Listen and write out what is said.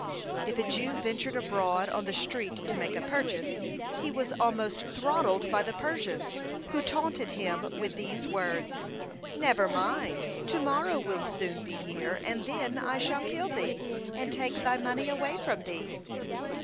If a Jew ventured abroad on the street to make a purchase, he was almost throttled by the Persians, who taunted him with these words: "Never mind, to morrow will soon be here, and then I shall kill thee, and take thy money away from thee."